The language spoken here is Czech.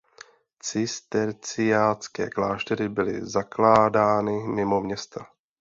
Cisterciácké kláštery byly zakládány mimo města.